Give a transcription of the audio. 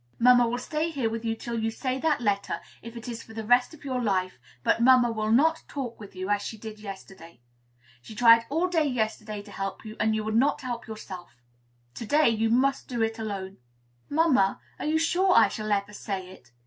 Mamma will stay here with you till you say that letter, if it is for the rest of your life; but mamma will not talk with you, as she did yesterday. She tried all day yesterday to help you, and you would not help yourself; to day you must do it all alone." "Mamma, are you sure I shall ever say it?"